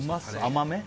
甘め？